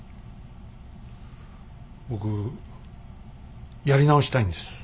僕やり直したいんです。